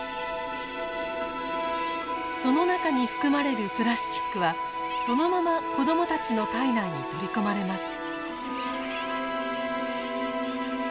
その中に含まれるプラスチックはそのまま子どもたちの体内に取り込まれます。